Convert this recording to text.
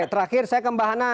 terakhir saya ke mbak hana